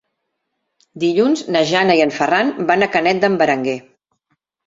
Dilluns na Jana i en Ferran van a Canet d'en Berenguer.